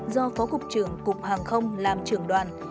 do phó cục trưởng cục hàng không làm trưởng đoàn